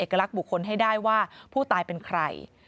ลักษณ์บุคคลให้ได้ว่าผู้ตายเป็นใคร